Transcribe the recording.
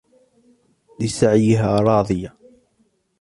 لسعيها راضية